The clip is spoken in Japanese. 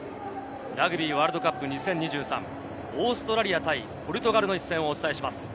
ラグビーワールドカップ２０２３、オーストラリア対ポルトガルの一戦をお伝えします。